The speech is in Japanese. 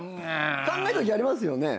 考えたときありますよね？